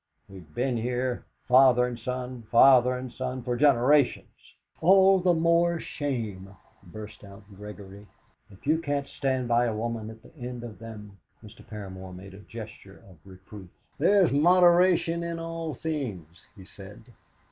We've been here, father and son father and son for generations!" "All the more shame," burst out Gregory, "if you can't stand by a woman at the end of them !" Mr. Paramor made a gesture of reproof. "There's moderation in all things," he said.